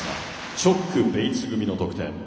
チョック、ベイツ組の得点。